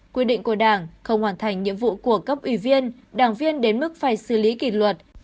quy định của đảng không hoàn thành nhiệm vụ của cấp ủy viên đảng viên đến mức phải xử lý kỷ luật